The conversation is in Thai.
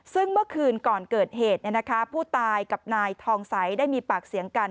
ซึ่งเมื่อคืนก่อนเกิดเหตุผู้ตายกับนายทองใสได้มีปากเสียงกัน